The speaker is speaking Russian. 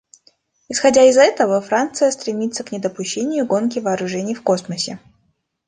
Исходя из этого, Франция стремится к недопущению гонки вооружений в космосе.